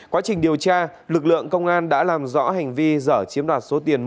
quá trình điều tra lực lượng công an đã làm rõ hành vi dở chiếm đoạt số tiền